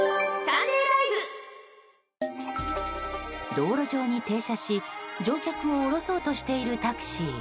道路上に停車し、乗客を降ろそうとしているタクシー。